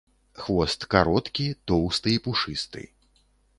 Хвост кароткі, тоўсты і пушысты.